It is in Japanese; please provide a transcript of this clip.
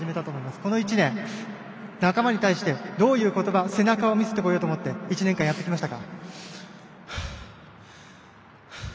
この１年、仲間に対してどういう言葉、背中を見せてこようとやってきましたか。